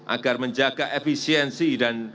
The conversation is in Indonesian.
agar menjaga efisiensi dan